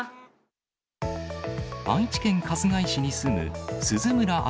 愛知県春日井市に住む鈴村天